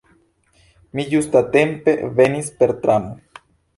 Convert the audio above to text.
Mi ĝustatempe venis per tramo.